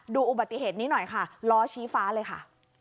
อุบัติเหตุนี้หน่อยค่ะล้อชี้ฟ้าเลยค่ะ